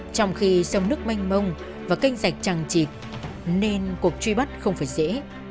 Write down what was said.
trong khi sông nước manh mông và canh sạch trăng chịt nên cuộc truy bắt không phải dễ